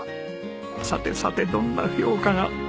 さてさてどんな評価が。